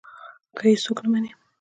که يې څوک نه مني.